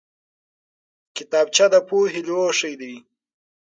کتابچه د پوهې لوښی دی